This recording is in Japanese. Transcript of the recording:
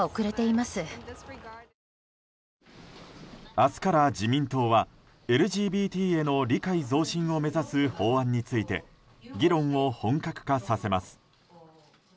明日から、自民党はＬＧＢＴへの理解増進を目指す法案について議論を本格化させます。